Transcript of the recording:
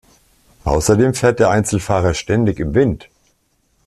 Außerdem fährt der Einzelfahrer ständig im Wind.